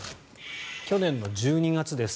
去年の１２月です。